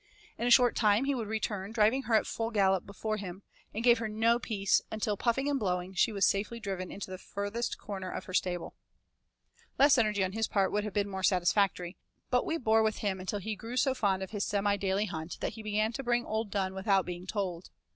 In a short time he would return driving her at full gallop before him, and gave her no peace until, puffing and blowing, she was safely driven into the farthest corner of her stable. Less energy on his part would have been more satisfactory, but we bore with him until he grew so fond of this semi daily hunt that he began to bring 'old Dunne' without being told.